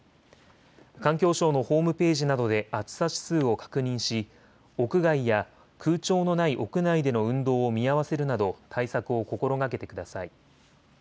環境省のホームページなどで暑さ指数を確認し、屋外や空調のない屋内での運動を見合わせるなど対策を心がけてください。